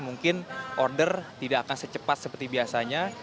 mungkin order tidak akan secepat seperti biasanya